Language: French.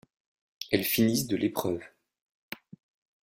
Elles finissent de l'épreuve.